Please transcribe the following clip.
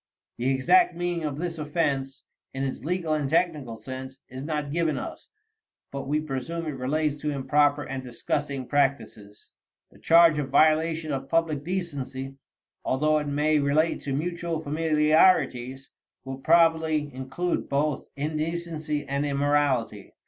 The exact meaning of this offense, in its legal and technical sense, is not given us, but we presume it relates to improper and disgusting practices. The charge of "violation of public decency," although it may relate to mutual familiarities, will probably include both indecency and immorality.